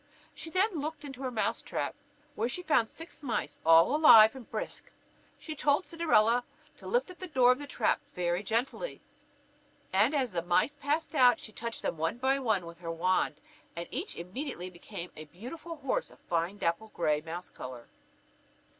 She then looked into her mouse trap, where she found six mice all alive and brisk. She told Cinderella to lift up the door of the trap very gently; and as the mice passed out, she touched them one by one with her wand, and each immediately became a beautiful horse of a fine dapple gray mouse colour.